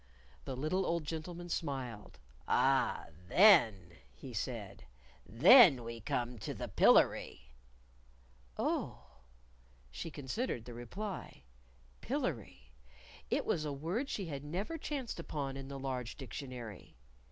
The little old gentleman smiled. "Ah, then!" he said, " then we come to the Pillery!" "Oh!" She considered the reply. Pillery it was a word she had never chanced upon in the large Dictionary.